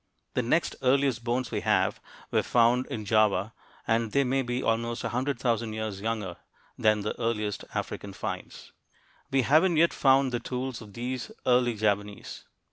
The next earliest bones we have were found in Java, and they may be almost a hundred thousand years younger than the earliest African finds. We haven't yet found the tools of these early Javanese.